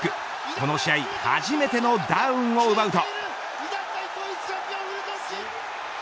この試合初めてのダウンを奪うと。